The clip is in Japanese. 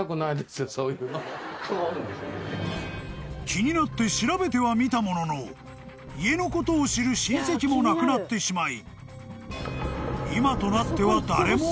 ［気になって調べてはみたものの家のことを知る親戚も亡くなってしまい今となっては］